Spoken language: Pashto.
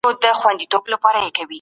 دا چوکاټ د پېړيو لپاره پاته سو.